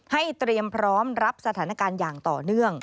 เตรียมพร้อมรับสถานการณ์อย่างต่อเนื่อง